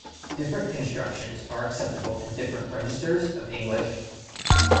Different constructions are acceptable in different registers of English.